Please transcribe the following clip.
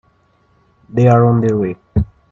They're on their way.